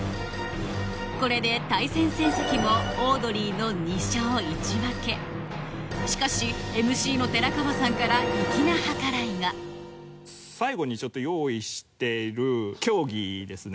これで対戦成績もオードリーの２勝１分しかしＭＣの寺川さんから粋な計らいが最後にちょっと用意している競技ですね。